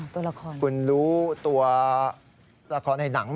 ตัวละครคุณรู้ตัวละครในหนัง